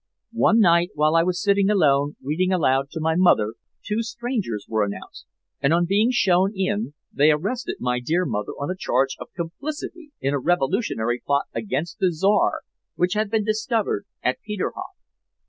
One night, while I was sitting alone reading aloud to my mother, two strangers were announced, and on being shown in they arrested my dear mother on a charge of complicity in a revolutionary plot against the Czar which had been discovered at Peterhof.